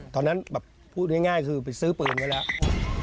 ตอนนั้นแบบพูดง่ายคือไปซื้อปืนไว้แล้ว